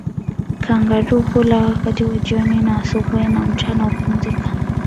Kangaroo hula wakati wa jioni na asubuhi na mchana hupumzika